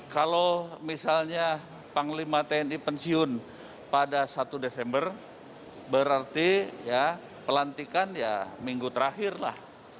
kalau misalnya panglima tni pensiun pada satu desember berarti ya pelantikan ya minggu terakhir lah